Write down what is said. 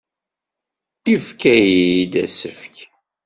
Yefka-iyi-d asefk.